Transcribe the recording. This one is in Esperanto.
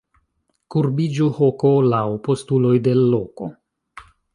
Kurbiĝu hoko laŭ postuloj de l' loko.